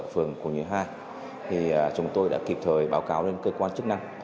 thì chúng tôi đã kịp thời báo cáo lên cơ quan chức năng